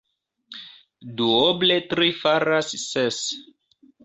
Duoble tri faras ses.